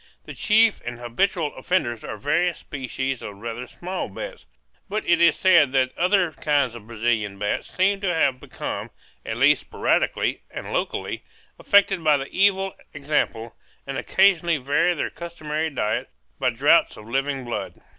The chief and habitual offenders are various species of rather small bats; but it is said that other kinds of Brazilian bats seem to have become, at least sporadically and locally, affected by the evil example and occasionally vary their customary diet by draughts of living blood.